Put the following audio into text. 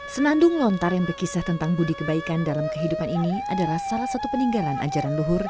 senandung lontar yang berkisah tentang budi kebaikan dalam kehidupan ini adalah salah satu peninggalan ajaran luhur